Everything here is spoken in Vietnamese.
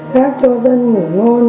hát cho dân ngủ ngon